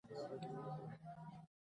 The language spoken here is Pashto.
ما وليده چې په سترګو کې يې اوښکې راغلې.